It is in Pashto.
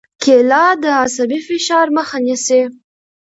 کېله د عصبي فشار مخه نیسي.